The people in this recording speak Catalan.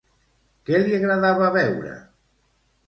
Què li agradava beure?